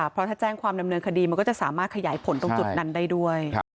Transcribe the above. เพราะถ้าแจ้งความดำเนินคดีมันก็จะสามารถขยายผลตรงจุดนั้นได้ด้วย